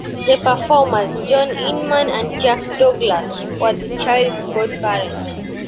The performers John Inman and Jack Douglas were the child's godparents.